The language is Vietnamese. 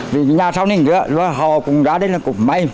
vì nhà sau nên họ cũng ra đây là cũng may